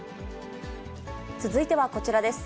続いてはこちらです。